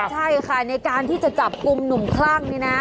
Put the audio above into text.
ใช่ค่ะในการที่จะจับกลุ่มหนุ่มคลั่งนี่นะ